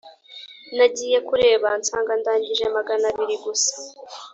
Nagiye kureba nsanga ndangije Magana abiri gusa